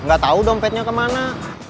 gak tau dompetnya kemana